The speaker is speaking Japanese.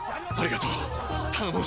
ありがとう！